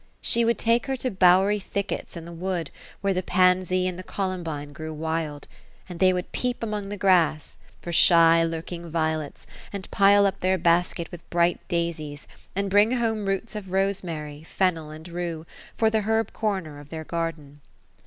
She would take her to bowery thickets in the wood, where the pansy and the columbine grew wild ; and they would peep among the grass, f<n shy lurking violets, and pile up their basket with bright daisies, and bring home roots of rosemary, fennel and rue, for the herb corner of theif garden.